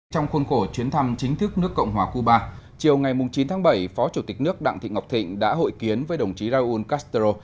trong khuôn khổ chuyến thăm chính thức nước cộng hòa cuba chiều ngày chín tháng bảy phó chủ tịch nước đặng thị ngọc thịnh đã hội kiến với đồng chí raúl castro